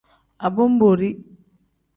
Abonboori.